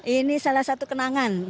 ini salah satu kenangan